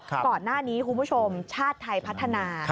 ก่อนหน้านี้คุณผู้ชมชาติไทยพัฒนา